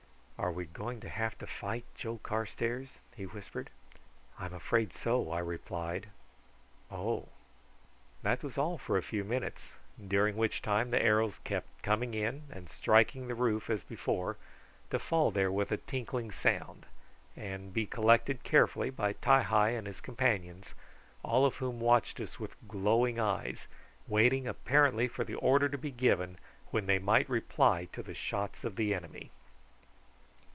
"Are we going to have to fight, Joe Carstairs?" he whispered. "I'm afraid so," I replied. "Oh!" That was all for a few minutes, during which time the arrows kept coming in and striking the roof as before, to fall there with a tinkling sound, and be collected carefully by Ti hi and his companions, all of whom watched us with glowing eyes, waiting apparently for the order to be given when they might reply to the shots of the enemy.